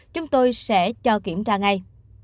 chúng tôi sẽ cho kiểm tra ngay